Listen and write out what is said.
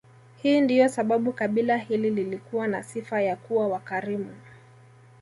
Hii ndiyo sababu kabila hili lilikuwa na sifa ya kuwa wakarimu